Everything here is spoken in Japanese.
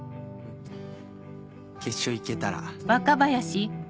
決勝いけたら。